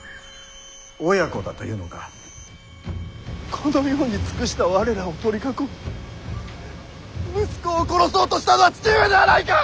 このように尽くした我らを取り囲み息子を殺そうとしたのは父上ではないか！